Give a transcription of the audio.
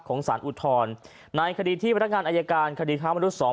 ของศาลอุทธรในคดีที่บัตรงานอายการคดีค้ามนุษย์สอง